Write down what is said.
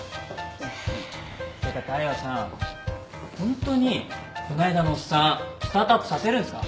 てか大陽さんホントにこの間のおっさんスタートアップさせるんすか？